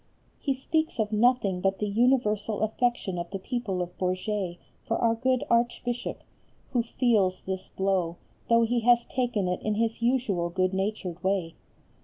He speaks of nothing but the universal affection of the people of Bourges for our good Archbishop, who feels this blow though he has taken it in his usual good natured way.